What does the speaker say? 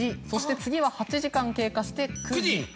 そして次は８時間経過して「くじ」。